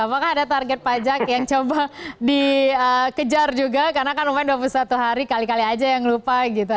apakah ada target pajak yang coba dikejar juga karena kan lumayan dua puluh satu hari kali kali aja yang lupa gitu